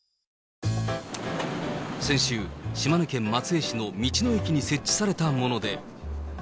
先週、島根県松江市の道の駅に設置されたもので。